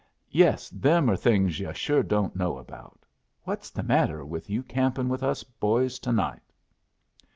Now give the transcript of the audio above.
Yes, them are things yu' sure don't know about. What's the matter with you camping with us boys tonight?"